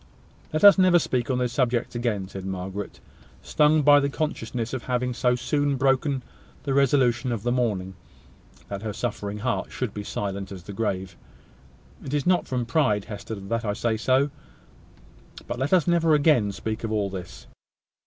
"Let us never speak on this subject again," said Margaret, stung by the consciousness of having so soon broken the resolution of the morning, that her suffering heart should be as silent as the grave. "It is not from pride, Hester, that I say so; but let us never again speak of all this."